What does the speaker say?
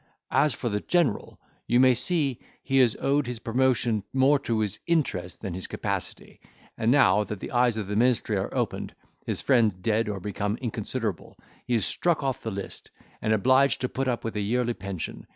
As for the general, you may see he has owed his promotion more to his interest than his capacity; and, now that the eyes of the ministry are opened, his friends dead or become inconsiderable, he is struck off the list, and obliged to put up with a yearly pension.